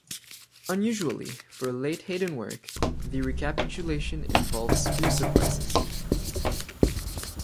Unusually for a late Haydn work, the recapitulation involves few surprises.